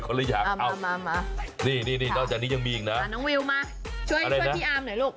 เป็นคนละอย่างเอานี่นอกจากนี้ยังมีอีกนะช่วยพี่อามหน่อยลูก